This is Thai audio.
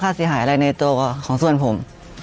เสียหายอะไรในตัวของส่วนผม